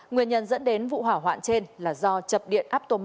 nguyên nhân dẫn đến vụ hỏa hoạn trên là do chập điện aptomat tầng một